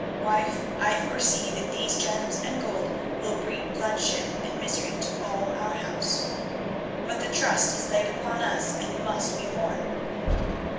Wife, I foresee that these gems and gold will breed bloodshed and misery to all our house. But the trust is laid upon us and it must be borne.